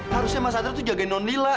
harusnya mas satria tuh jagain nonila